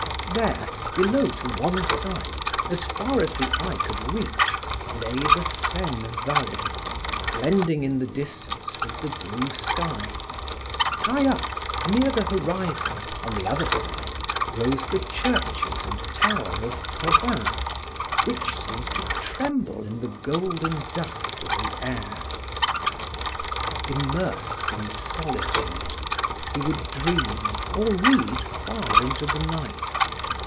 There, below to one side, as far as the eye could reach, lay the Seine valley, blending in the distance with the blue sky; high up, near the horizon, on the other side, rose the churches and tower of Provins which seemed to tremble in the golden dust of the air. Immersed in solitude, he would dream or read far into the night.